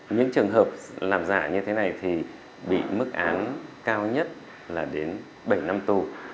những trường hợp làm giả như thế này thì bị mức án cao nhất là đến bảy năm tù